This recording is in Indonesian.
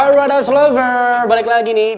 our rada's lover balik lagi nih